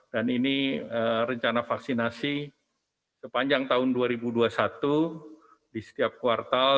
ini rencana vaksinasi sepanjang tahun dua ribu dua puluh satu di setiap kuartal